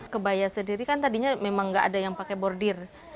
kebaya sendiri kan tadinya memang nggak ada yang pakai bordir